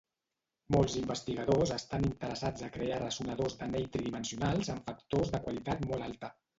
Molts investigadors estan interessats a crear ressonadors d'anell tridimensionals amb factors de qualitat molt alta.